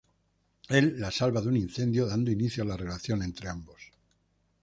El la salva de un incendio, dando inicio a la relación entre ambos"".